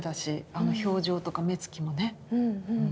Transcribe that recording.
あの表情とか目つきもね。